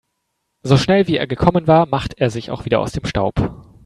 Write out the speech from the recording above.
So schnell wie er gekommen war, macht er sich auch wieder aus dem Staub.